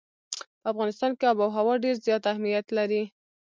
په افغانستان کې آب وهوا ډېر زیات اهمیت لري.